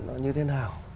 nó như thế nào